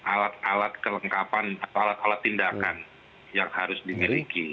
alat alat kelengkapan atau alat alat tindakan yang harus dimiliki